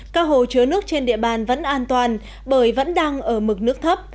các hồ chứa nước trên địa bàn vẫn an toàn bởi vẫn đang ở mực nước thấp